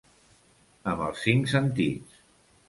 Amb els cinc sentits.